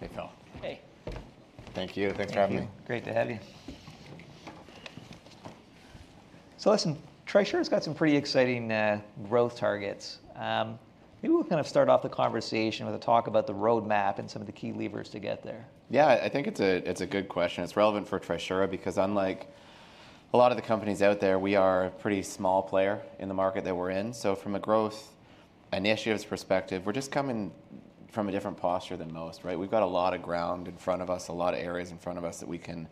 Hey, Phil. Hey. Thank you. Thanks for having me. Thank you. Great to have you. So listen, Trisura's got some pretty exciting growth targets. Maybe we'll kind of start off the conversation with a talk about the roadmap and some of the key levers to get there. Yeah, I think it's a, it's a good question. It's relevant for Trisura because unlike a lot of the companies out there, we are a pretty small player in the market that we're in. So from a growth initiatives perspective, we're just coming from a different posture than most, right? We've got a lot of ground in front of us, a lot of areas in front of us that we can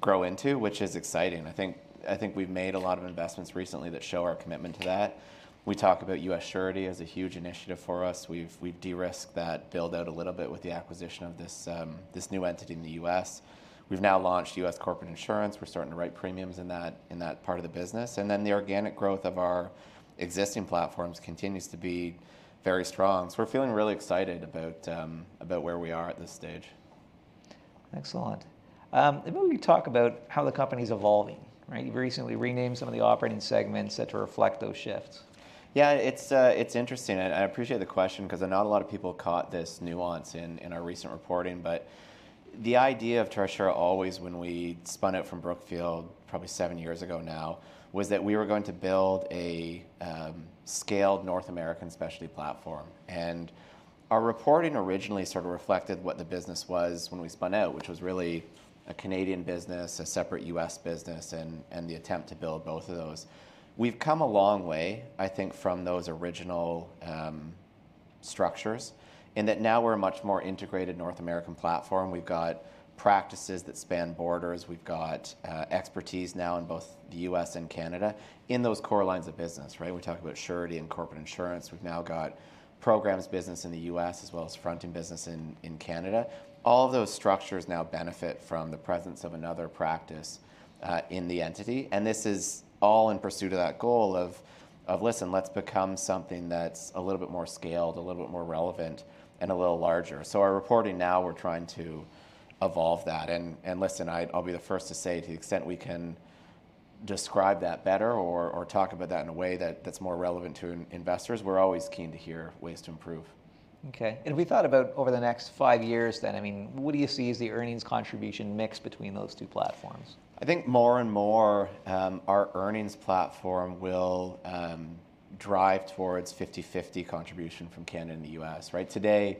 grow into, which is exciting. I think, I think we've made a lot of investments recently that show our commitment to that. We talk about US Surety as a huge initiative for us. We've de-risked that build-out a little bit with the acquisition of this new entity in the US. We've now launched US Corporate Insurance. We're starting to write premiums in that part of the business, and then the organic growth of our existing platforms continues to be very strong. So we're feeling really excited about where we are at this stage. Excellent. Maybe we talk about how the company's evolving, right? You recently renamed some of the operating segments that to reflect those shifts. Yeah, it's, it's interesting, and I appreciate the question 'cause not a lot of people caught this nuance in our recent reporting. But the idea of Trisura always when we spun out from Brookfield, probably seven years ago now, was that we were going to build a scaled North American specialty platform. And our reporting originally sort of reflected what the business was when we spun out, which was really a Canadian business, a separate US business, and the attempt to build both of those. We've come a long way, I think, from those original structures, in that now we're a much more integrated North American platform. We've got practices that span borders. We've got expertise now in both the US and Canada in those core lines of business, right? We talk about Surety and corporate insurance. We've now got programs business in the US, as well as fronting business in Canada. All those structures now benefit from the presence of another practice in the entity, and this is all in pursuit of that goal of "Listen, let's become something that's a little bit more scaled, a little bit more relevant, and a little larger." So our reporting now, we're trying to evolve that. And listen, I'll be the first to say, to the extent we can describe that better or talk about that in a way that's more relevant to investors, we're always keen to hear ways to improve. Okay. And we thought about over the next five years, then, I mean, what do you see as the earnings contribution mix between those two platforms? I think more and more, our earnings platform will, drive towards fifty-fifty contribution from Canada and the US, right? Today,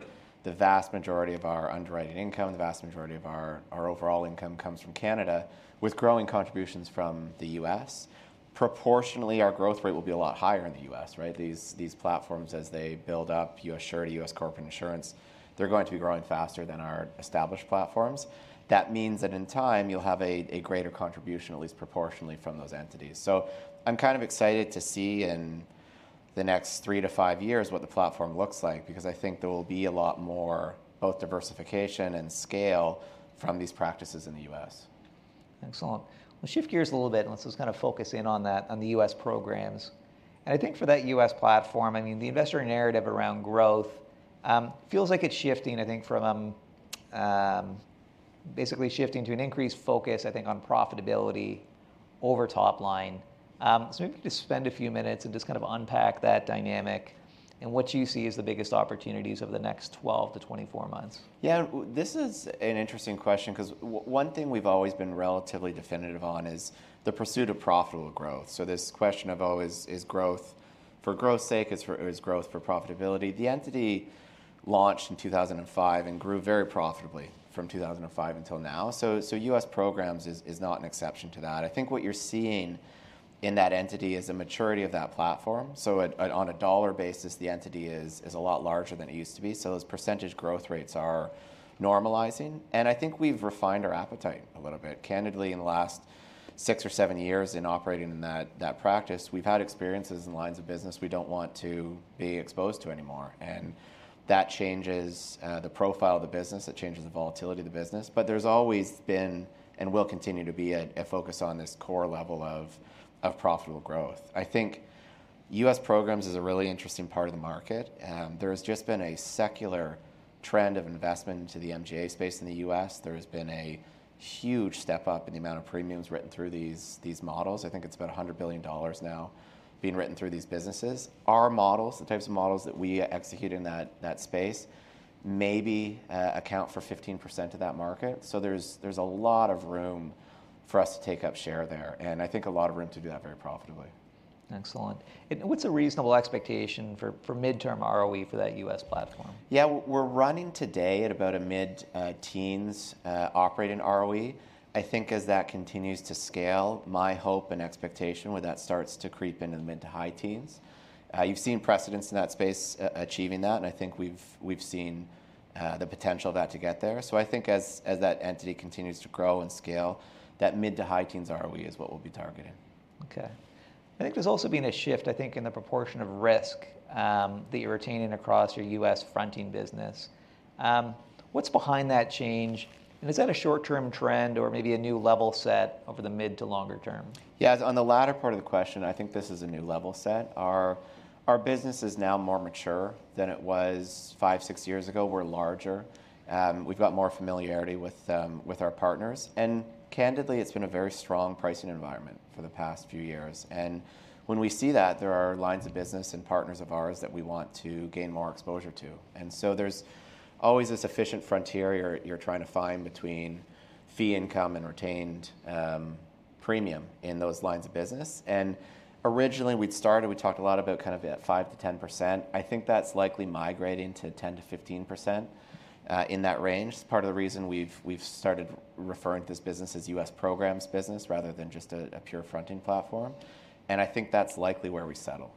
the vast majority of our underwriting income, the vast majority of our, our overall income comes from Canada, with growing contributions from the US. Proportionally, our growth rate will be a lot higher in the US, right? These, these platforms, as they build up, US Surety, US Corporate Insurance, they're going to be growing faster than our established platforms. That means that in time, you'll have a, a greater contribution, at least proportionally, from those entities. So I'm kind of excited to see in the next three to five years what the platform looks like, because I think there will be a lot more, both diversification and scale from these practices in the US. Excellent. We'll shift gears a little bit, and let's just kind of focus in on that, on the US Programs. And I think for that US platform, I mean, the investor narrative around growth feels like it's shifting, I think from basically shifting to an increased focus, I think, on profitability over top line. So maybe just spend a few minutes and just kind of unpack that dynamic and what you see as the biggest opportunities over the next 12 to 24 months. Yeah, this is an interesting question 'cause one thing we've always been relatively definitive on is the pursuit of profitable growth. So this question of always, is growth for growth's sake? Is growth for profitability? The entity launched in 2005 and grew very profitably from 2005 until now, so US Programs is not an exception to that. I think what you're seeing in that entity is a maturity of that platform. So on a dollar basis, the entity is a lot larger than it used to be, so those percentage growth rates are normalizing. And I think we've refined our appetite a little bit. Candidly, in the last six or seven years in operating in that practice, we've had experiences in lines of business we don't want to be exposed to anymore, and that changes the profile of the business, it changes the volatility of the business. But there's always been, and will continue to be a focus on this core level of profitable growth. I think US Programs is a really interesting part of the market. There has just been a secular trend of investment into the MGA space in the U.S. There has been a huge step up in the amount of premiums written through these models. I think it's about $100 billion now being written through these businesses. Our models, the types of models that we execute in that space, maybe account for 15% of that market. So there's a lot of room for us to take up share there, and I think a lot of room to do that very profitably. Excellent. And what's a reasonable expectation for midterm ROE for that U.S. platform? Yeah, we're running today at about a mid-teens Operating ROE. I think as that continues to scale, my hope and expectation where that starts to creep into the mid- to high-teens. You've seen precedents in that space achieving that, and I think we've seen the potential of that to get there. So I think as that entity continues to grow and scale, that mid- to high-teens ROE is what we'll be targeting. Okay. I think there's also been a shift, I think, in the proportion of risk that you're retaining across your U.S. fronting business. What's behind that change? And is that a short-term trend or maybe a new level set over the mid to longer term? Yeah, on the latter part of the question, I think this is a new level set. Our business is now more mature than it was five, six years ago. We're larger, we've got more familiarity with our partners. And candidly, it's been a very strong pricing environment for the past few years. And when we see that, there are lines of business and partners of ours that we want to gain more exposure to. And so there's always this efficient frontier you're trying to find between fee income and retained premium in those lines of business. And originally, we'd started, we talked a lot about kind of at 5-10%. I think that's likely migrating to 10-15%, in that range. It's part of the reason we've started referring to this business as US Programs business, rather than just a pure fronting platform, and I think that's likely where we settle.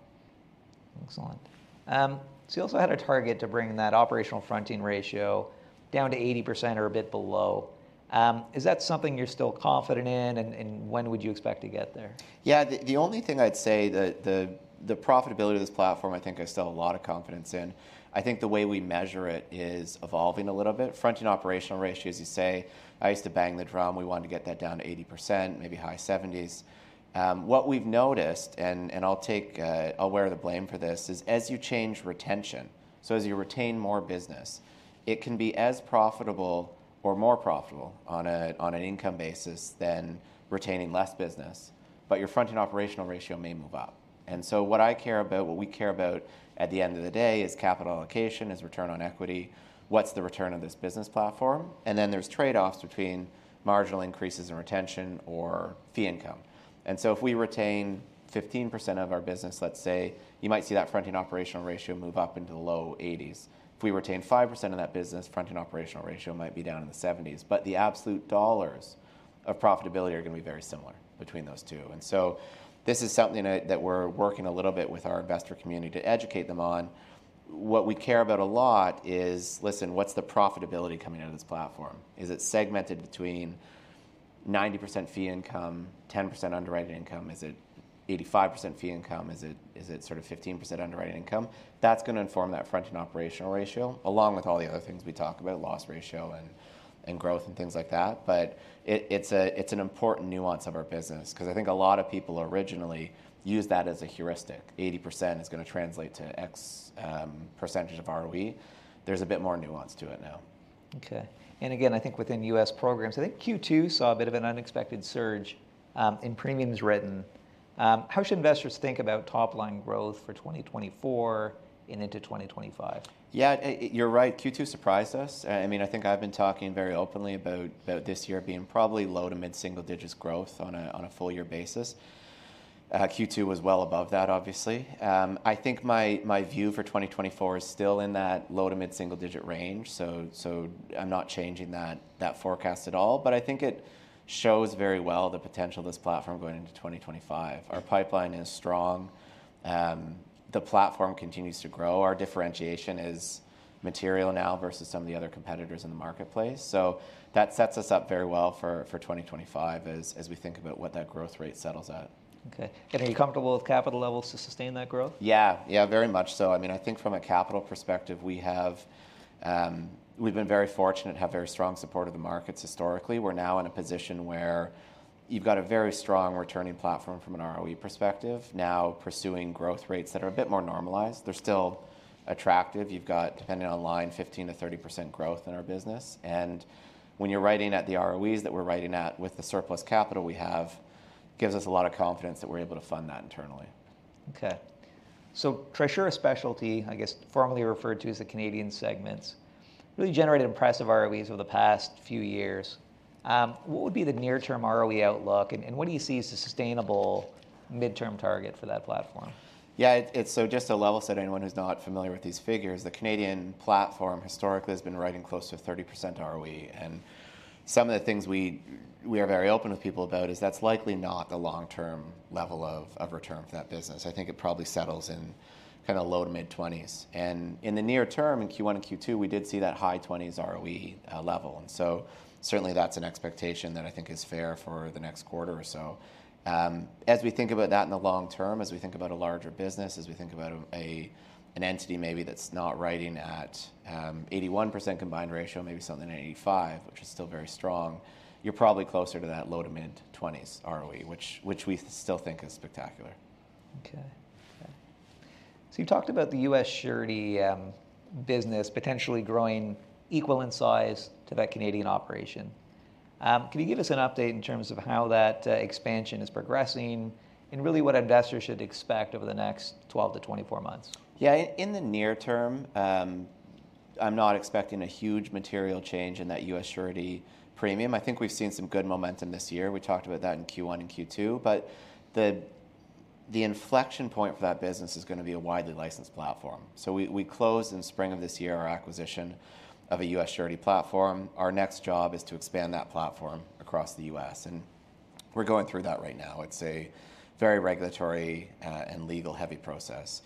Excellent. So you also had a target to bring that Fronting Operational Ratio down to 80% or a bit below. Is that something you're still confident in, and when would you expect to get there? Yeah, the only thing I'd say that the profitability of this platform, I think I still have a lot of confidence in. I think the way we measure it is evolving a little bit. Fronting operational ratio, as you say, I used to bang the drum. We wanted to get that down to 80%, maybe high 70s%. What we've noticed, and I'll take, I'll wear the blame for this, is as you change retention, so as you retain more business, it can be as profitable or more profitable on an income basis than retaining less business, but your fronting operational ratio may move up. And so what I care about, what we care about at the end of the day, is capital allocation, is return on equity. What's the return on this business platform? There are trade-offs between marginal increases in retention or fee income. So if we retain 15% of our business, let's say, you might see that fronting operational ratio move up into the low 80s. If we retain 5% of that business, fronting operational ratio might be down in the 70s. But the absolute dollars of profitability are gonna be very similar between those two. So this is something that we're working a little bit with our investor community to educate them on. What we care about a lot is, listen, what's the profitability coming out of this platform? Is it segmented between 90% fee income, 10% underwritten income? Is it 85% fee income? Is it sort of 15% underwritten income? That's gonna inform that fronting operational ratio, along with all the other things we talk about, loss ratio and growth and things like that. But it, it's a, it's an important nuance of our business, 'cause I think a lot of people originally used that as a heuristic. 80% is gonna translate to X percentage of ROE. There's a bit more nuance to it now. Okay. And again, I think within US Programs, I think Q2 saw a bit of an unexpected surge in premiums written. How should investors think about top-line growth for 2024 and into 2025? Yeah, you're right. Q2 surprised us. I mean, I think I've been talking very openly about this year being probably low- to mid-single-digits growth on a full year basis. Q2 was well above that, obviously. I think my view for 2024 is still in that low- to mid-single-digit range, so I'm not changing that forecast at all. But I think it shows very well the potential of this platform going into 2025. Our pipeline is strong. The platform continues to grow. Our differentiation is material now versus some of the other competitors in the marketplace. So that sets us up very well for 2025, as we think about what that growth rate settles at. Okay. And are you comfortable with capital levels to sustain that growth? Yeah. Yeah, very much so. I mean, I think from a capital perspective, we have. We've been very fortunate to have very strong support of the markets historically. We're now in a position where you've got a very strong returning platform from an ROE perspective, now pursuing growth rates that are a bit more normalized. They're still attractive. You've got, depending on line, 15%-30% growth in our business. And when you're writing at the ROEs that we're writing at with the surplus capital we have, gives us a lot of confidence that we're able to fund that internally. Okay. So Trisura Specialty, I guess formerly referred to as the Canadian segments, really generated impressive ROEs over the past few years. What would be the near-term ROE outlook, and what do you see as a sustainable mid-term target for that platform? Yeah, it's so just to level set anyone who's not familiar with these figures, the Canadian platform historically has been running close to a 30% ROE, and some of the things we are very open with people about is that's likely not the long-term level of return for that business. I think it probably settles in kind of low- to mid-20s. And in the near term, in Q1 and Q2, we did see that high-20s ROE level, and so certainly that's an expectation that I think is fair for the next quarter or so. As we think about that in the long term, as we think about a larger business, as we think about an entity maybe that's not writing at 81% combined ratio, maybe something 85%, which is still very strong, you're probably closer to that low- to mid-twenties ROE, which we still think is spectacular. Okay. Okay. So you talked about the US Surety business potentially growing equal in size to that Canadian operation. Can you give us an update in terms of how that expansion is progressing, and really what investors should expect over the next twelve to twenty-four months? Yeah. In the near term, I'm not expecting a huge material change in that US Surety premium. I think we've seen some good momentum this year. We talked about that in Q1 and Q2. But the inflection point for that business is gonna be a widely licensed platform. So we closed in spring of this year, our acquisition of a US Surety platform. Our next job is to expand that platform across the US, and we're going through that right now. It's a very regulatory and legal-heavy process.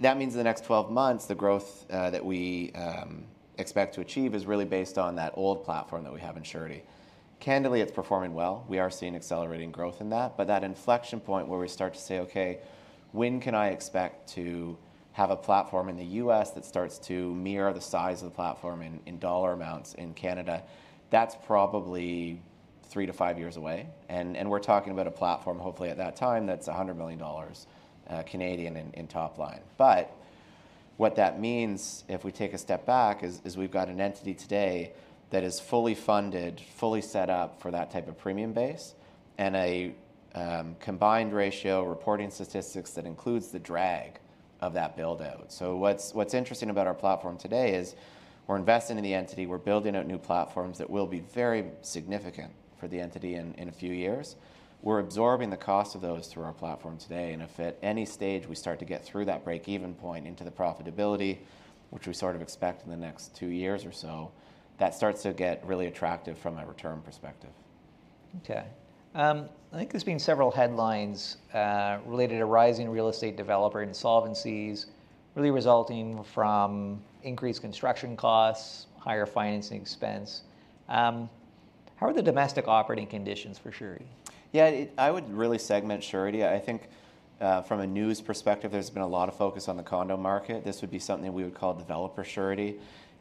That means in the next twelve months, the growth that we expect to achieve is really based on that old platform that we have in Surety. Candidly, it's performing well. We are seeing accelerating growth in that, but that inflection point where we start to say, "Okay, when can I expect to have a platform in the U.S. that starts to mirror the size of the platform in dollar amounts in Canada?" That's probably three to five years away, and we're talking about a platform, hopefully at that time, that's 100 million Canadian dollars in top line. But what that means, if we take a step back, is we've got an entity today that is fully funded, fully set up for that type of premium base, and a combined ratio reporting statistics that includes the drag of that build-out. So what's interesting about our platform today is we're investing in the entity, we're building out new platforms that will be very significant for the entity in a few years. We're absorbing the cost of those through our platform today, and if at any stage we start to get through that break-even point into the profitability, which we sort of expect in the next two years or so, that starts to get really attractive from a return perspective. Okay. I think there's been several headlines related to rising real estate developer insolvencies, really resulting from increased construction costs, higher financing expense. How are the domestic operating conditions for Surety? Yeah, I would really segment surety. I think from a news perspective, there's been a lot of focus on the condo market. This would be something we would call developer surety.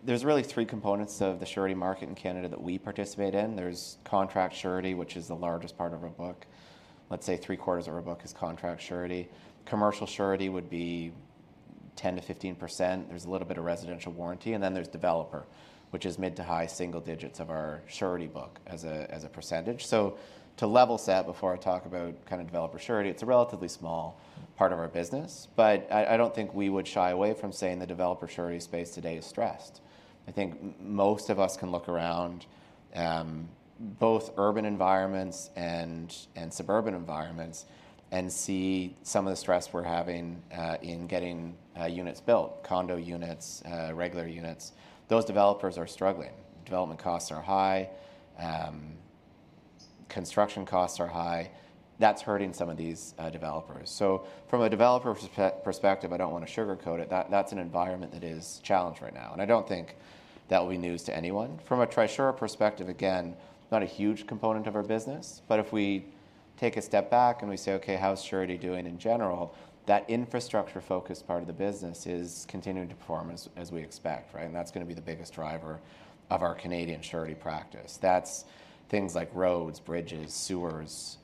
There's really three components of the surety market in Canada that we participate in. There's contract surety, which is the largest part of our book. Let's say three-quarters of our book is contract surety. Commercial surety would be 10%-15%. There's a little bit of residential warranty, and then there's developer, which is mid- to high-single digits of our surety book as a percentage. So to level set, before I talk about kind of developer surety, it's a relatively small part of our business, but I don't think we would shy away from saying the developer surety space today is stressed. I think most of us can look around, both urban environments and suburban environments and see some of the stress we're having in getting units built: condo units, regular units. Those developers are struggling. Development costs are high, construction costs are high. That's hurting some of these developers, so from a developer perspective, I don't want to sugarcoat it, that's an environment that is challenged right now, and I don't think that will be news to anyone. From a Trisura perspective, again, not a huge component of our business, but if we take a step back and we say, "Okay, how's Surety doing in general?" That infrastructure-focused part of the business is continuing to perform as we expect, right, and that's gonna be the biggest driver of our Canadian Surety practice. That's things like roads, bridges, sewers,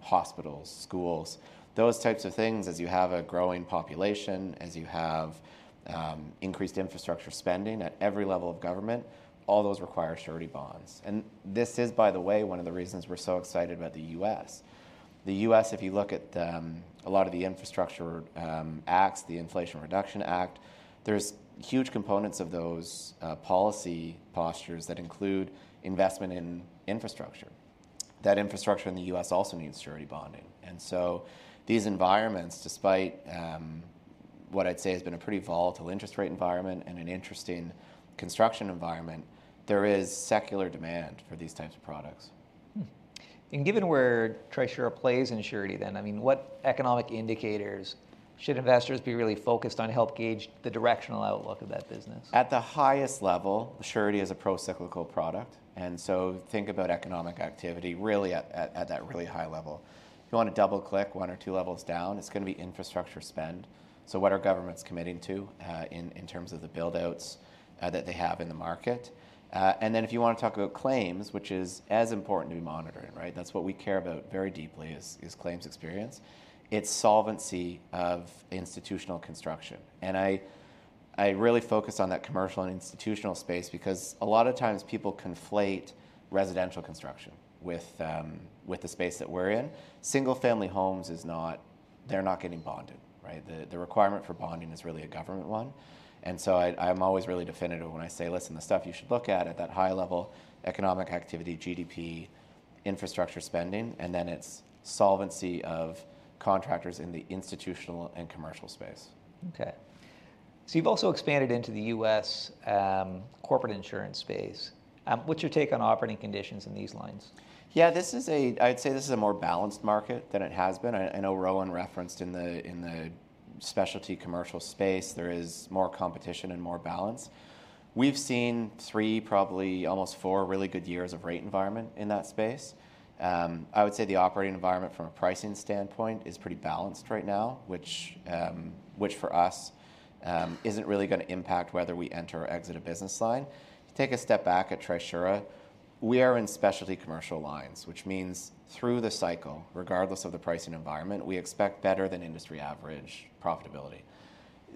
hospitals, schools. Those types of things, as you have a growing population, as you have increased infrastructure spending at every level of government, all those require surety bonds. And this is, by the way, one of the reasons we're so excited about the U.S. The U.S., if you look at a lot of the infrastructure acts, the Inflation Reduction Act, there's huge components of those policy postures that include investment in infrastructure. That infrastructure in the U.S. also needs surety bonding. And so these environments, despite what I'd say has been a pretty volatile interest rate environment and an interesting construction environment, there is secular demand for these types of products. And given where Trisura plays in Surety then, I mean, what economic indicators should investors be really focused on to help gauge the directional outlook of that business? At the highest level, Surety is a procyclical product, and so think about economic activity really at that really high level. If you want to double click one or two levels down, it's gonna be infrastructure spend. So what are governments committing to in terms of the build-outs that they have in the market? And then, if you want to talk about claims, which is as important to be monitoring, right? That's what we care about very deeply is claims experience. It's solvency of institutional construction. And I really focus on that commercial and institutional space because a lot of times people conflate residential construction with the space that we're in. Single-family homes is not... They're not getting bonded, right? The requirement for bonding is really a government one, and so I'm always really definitive when I say, "Listen, the stuff you should look at, at that high level: economic activity, GDP, infrastructure spending, and then it's solvency of contractors in the institutional and commercial space. Okay, so you've also expanded into the US Corporate Insurance space. What's your take on operating conditions in these lines? Yeah, this is a-- I'd say, this is a more balanced market than it has been. I know Rowan referenced in the specialty commercial space, there is more competition and more balance. We've seen three, probably almost four, really good years of rate environment in that space. I would say the operating environment from a pricing standpoint is pretty balanced right now, which for us isn't really gonna impact whether we enter or exit a business line. Take a step back at Trisura, we are in specialty commercial lines, which means through the cycle, regardless of the pricing environment, we expect better than industry average profitability.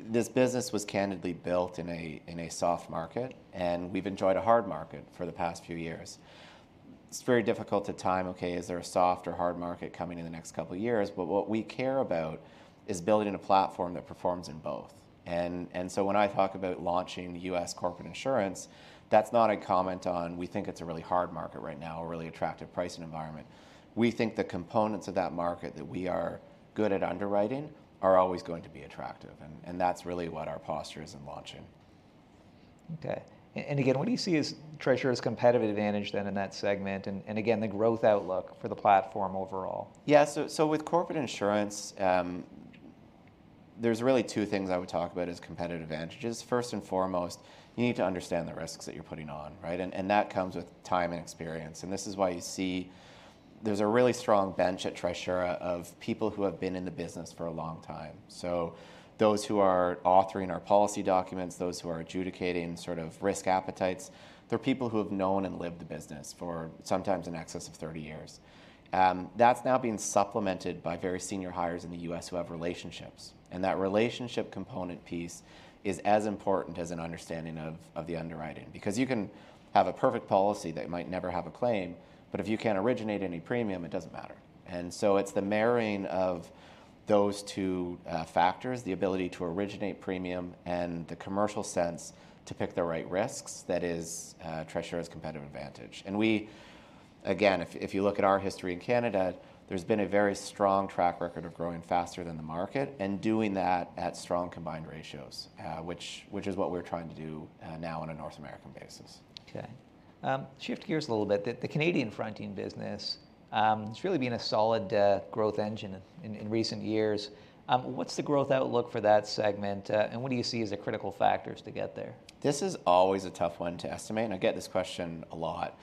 This business was candidly built in a soft market, and we've enjoyed a hard market for the past few years. It's very difficult to time, okay, is there a soft or hard market coming in the next couple of years? But what we care about is building a platform that performs in both. And so when I talk about launching the US Corporate Insurance, that's not a comment on, we think it's a really hard market right now, a really attractive pricing environment. We think the components of that market that we are good at underwriting are always going to be attractive, and that's really what our posture is in launching. Okay. What do you see as Trisura's competitive advantage then in that segment, and again, the growth outlook for the platform overall? Yeah. So with corporate insurance, there's really two things I would talk about as competitive advantages. First and foremost, you need to understand the risks that you're putting on, right? And that comes with time and experience. And this is why you see there's a really strong bench at Trisura of people who have been in the business for a long time. So those who are authoring our policy documents, those who are adjudicating sort of risk appetites, they're people who have known and lived the business for sometimes in excess of thirty years. That's now being supplemented by very senior hires in the US who have relationships, and that relationship component piece is as important as an understanding of the underwriting. Because you can have a perfect policy that might never have a claim, but if you can't originate any premium, it doesn't matter. And so it's the marrying of those two factors, the ability to originate premium and the commercial sense to pick the right risks, that is Trisura's competitive advantage. And again, if you look at our history in Canada, there's been a very strong track record of growing faster than the market and doing that at strong combined ratios, which is what we're trying to do now on a North American basis. Okay. Shift gears a little bit. The Canadian fronting business, it's really been a solid growth engine in recent years. What's the growth outlook for that segment, and what do you see as the critical factors to get there? This is always a tough one to estimate, and I get this question a lot.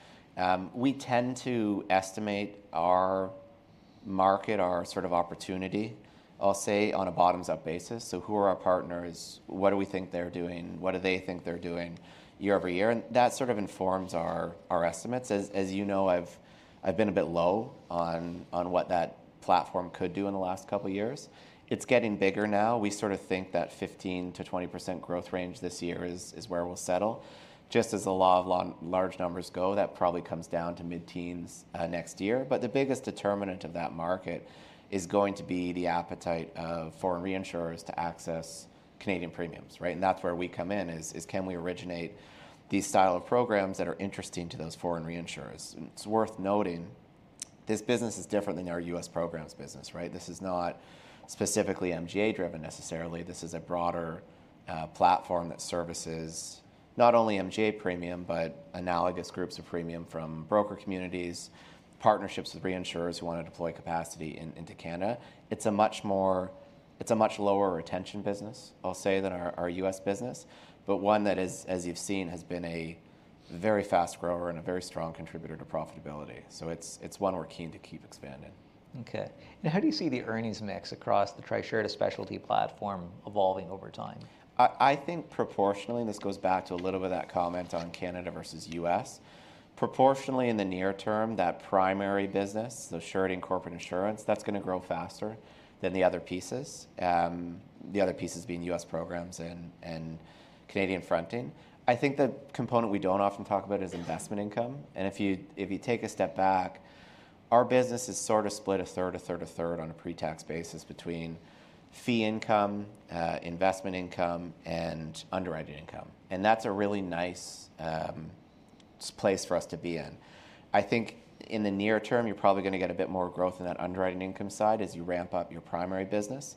We tend to estimate our market, our sort of opportunity, I'll say, on a bottoms-up basis, so who are our partners? What do we think they're doing? What do they think they're doing year over year, and that sort of informs our estimates. As you know, I've been a bit low on what that platform could do in the last couple of years. It's getting bigger now. We sort of think that 15%-20% growth range this year is where we'll settle. Just as a lot of large numbers go, that probably comes down to mid-teens next year, but the biggest determinant of that market is going to be the appetite of foreign reinsurers to access Canadian premiums, right? And that's where we come in, can we originate these style of programs that are interesting to those foreign reinsurers? And it's worth noting, this business is different than our US programs business, right? This is not specifically MGA-driven necessarily. This is a broader platform that services not only MGA premium, but analogous groups of premium from broker communities, partnerships with reinsurers who want to deploy capacity into Canada. It's a much more... It's a much lower retention business, I'll say, than our US business, but one that is, as you've seen, has been a very fast grower and a very strong contributor to profitability. So it's one we're keen to keep expanding. Okay. Now, how do you see the earnings mix across the Trisura Specialty platform evolving over time? I think proportionally, this goes back to a little bit of that comment on Canada versus US. Proportionally in the near term, that primary business, the surety and corporate insurance, that's going to grow faster than the other pieces. The other pieces being US programs and Canadian fronting. I think the component we don't often talk about is investment income, and if you take a step back, our business is sort of split a third, a third, a third on a pre-tax basis between fee income, investment income, and underwriting income, and that's a really nice place for us to be in. I think in the near term, you're probably going to get a bit more growth in that underwriting income side as you ramp up your primary business.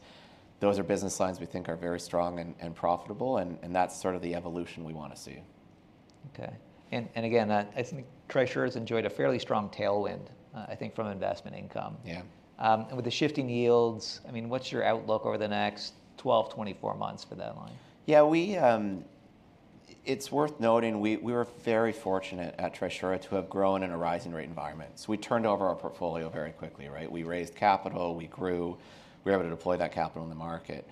Those are business lines we think are very strong and profitable, and that's sort of the evolution we want to see. Okay. And again, I think Trisura has enjoyed a fairly strong tailwind, I think, from investment income. Yeah. And with the shifting yields, I mean, what's your outlook over the next twelve, twenty-four months for that line? Yeah, we, It's worth noting, we were very fortunate at Trisura to have grown in a rising rate environment. So we turned over our portfolio very quickly, right? We raised capital, we grew, we were able to deploy that capital in the market.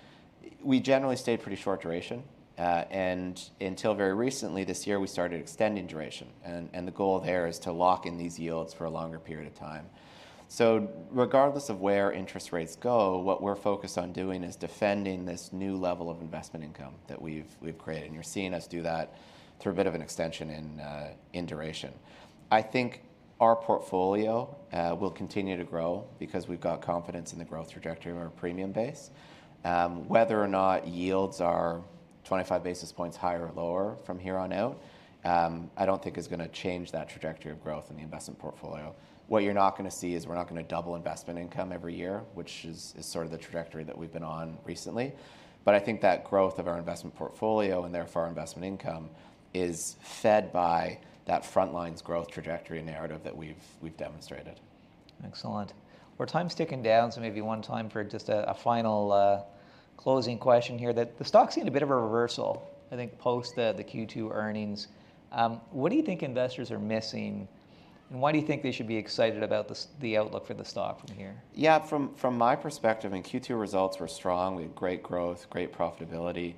We generally stayed pretty short duration, and until very recently this year, we started extending duration. And the goal there is to lock in these yields for a longer period of time. So regardless of where interest rates go, what we're focused on doing is defending this new level of investment income that we've created, and you're seeing us do that through a bit of an extension in duration. I think our portfolio will continue to grow because we've got confidence in the growth trajectory of our premium base. Whether or not yields are 25 basis points higher or lower from here on out, I don't think is going to change that trajectory of growth in the investment portfolio. What you're not going to see is we're not going to double investment income every year, which is sort of the trajectory that we've been on recently. But I think that growth of our investment portfolio, and therefore our investment income, is fed by that fronting growth trajectory narrative that we've demonstrated. Excellent. Well, time's ticking down, so maybe one time for just a final closing question here. The stock's seen a bit of a reversal, I think, post the Q2 earnings. What do you think investors are missing, and why do you think they should be excited about the outlook for the stock from here? Yeah, from my perspective, Q2 results were strong. We had great growth, great profitability.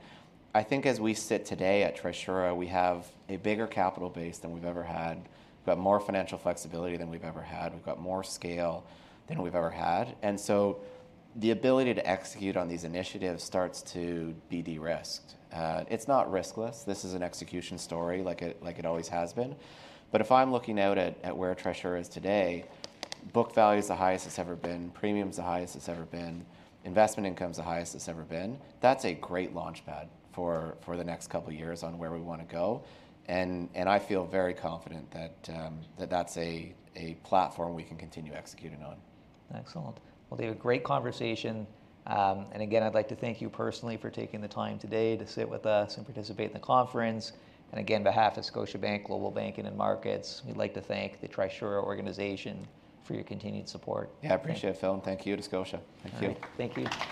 I think as we sit today at Trisura, we have a bigger capital base than we've ever had. We've got more financial flexibility than we've ever had. We've got more scale than we've ever had. And so the ability to execute on these initiatives starts to be de-risked. It's not riskless. This is an execution story like it always has been. But if I'm looking out at where Trisura is today, book value is the highest it's ever been, premium is the highest it's ever been, investment income is the highest it's ever been. That's a great launchpad for the next couple of years on where we want to go, and I feel very confident that that's a platform we can continue executing on. Excellent. Well, David, great conversation. And again, I'd like to thank you personally for taking the time today to sit with us and participate in the conference. And again, on behalf of Scotiabank Global Banking and Markets, we'd like to thank the Trisura organization for your continued support. Yeah, I appreciate it, Phil, and thank you to Scotia. Thank you. Thank you.